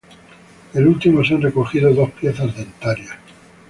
Del último se han recogido dos piezas dentarias.